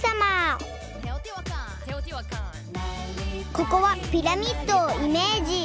ここはピラミッドをイメージ。